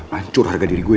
hancur harga diri gue